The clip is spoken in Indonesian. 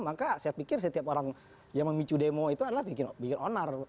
maka saya pikir setiap orang yang memicu demo itu adalah bikin onar